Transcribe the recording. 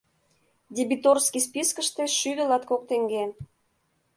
Дебиторский спискыште — шӱдӧ латкок теҥге.